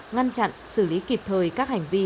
ngăn chặn xử lý kịp thời các hành vi